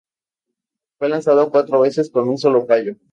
Fue lanzado cuatro veces, con un solo fallo.